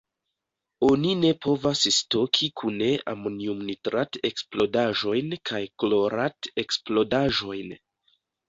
Oni ne povas stoki kune amoniumnitrat-eksplodaĵojn kaj Klorat-eksplodaĵojn.